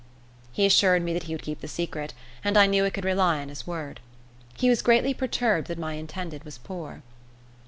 He assured me that he would keep the secret, and I knew I could rely on his word. He was greatly perturbed that my intended was poor.